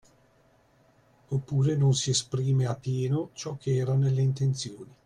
Oppure non si esprime a pieno ciò che era nelle intenzioni